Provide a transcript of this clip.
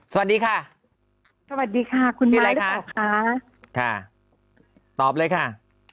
สวัสดีค่ะสวัสดีค่ะคุณวิรัยหรือเปล่าค่ะตอบเลยค่ะ